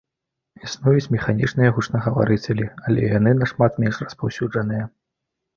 Існуюць механічныя гучнагаварыцелі, але яны нашмат менш распаўсюджаныя.